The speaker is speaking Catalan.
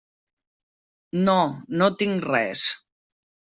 No, no tinc res.